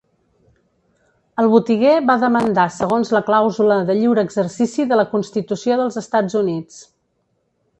El botiguer va demandar segons la clàusula de lliure exercici de la constitució dels Estats Units.